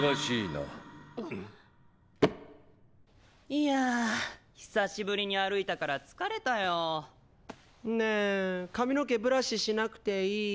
いやぁ久しぶりに歩いたから疲れたよ。ねぇ髪の毛ブラシしなくていーい？